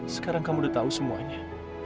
sekarang kamu udah tahu semuanya